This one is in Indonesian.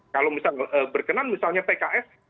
kalau misalnya berkenan misalnya pks